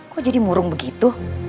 kok jadi murung begitu